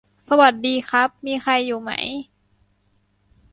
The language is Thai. สวัสดีครับ มีใครอยู่ไหม